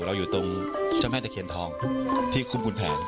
อยู่ตรงเจ้าแม่ตะเคียนทองที่คุ้มคุณแผน